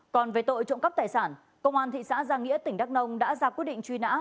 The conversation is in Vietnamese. còn về tội trộm cắp tài sản công an thị xã giang nghĩa tỉnh đắk nông đã ra quyết định truy nã